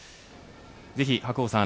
ぜひ、白鵬さん